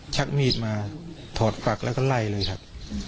ชักมีดมาถอดฝักแล้วก็ไล่เลยครับ